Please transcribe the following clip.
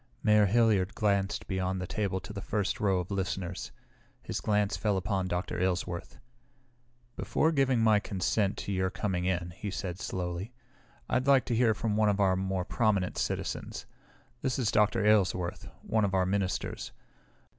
Mayor Hilliard glanced beyond the table to the first row of listeners. His glance fell upon Dr. Aylesworth. "Before giving my consent to your coming in," he said slowly, "I'd like to hear from one of our more prominent citizens. This is Dr. Aylesworth, one of our ministers.